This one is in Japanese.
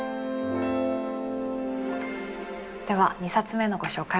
では２冊目のご紹介